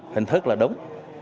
hình thức là đúng